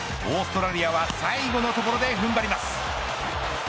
オーストラリアは、最後のところで踏ん張ります。